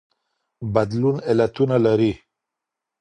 بدلون علتونه لري.